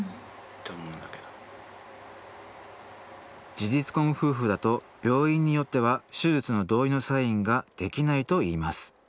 事実婚夫婦だと病院によっては手術の同意のサインができないといいます。